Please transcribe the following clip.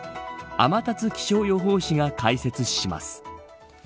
天達気象予報士が解説します。